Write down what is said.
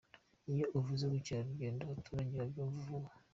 Iyo uvuze ubukerarugendo abaturage babyumva vuba.